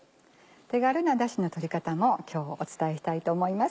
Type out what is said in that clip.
手軽なだしのとり方も今日お伝えしたいと思います。